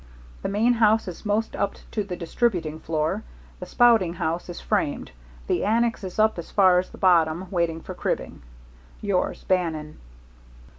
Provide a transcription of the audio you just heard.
The main house is most up to the distributing floor. The spouting house is framed. The annex is up as far as the bottom, waiting for cribbing. Yours, BANNON.